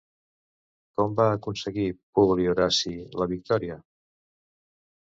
Com va aconseguir Publi Horaci la victòria?